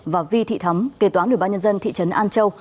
và vi thị thắm kế toán ubnd thị trấn an châu